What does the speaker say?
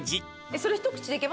それ一口でいけますか？